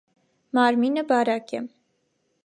Մարմինը բարակ է։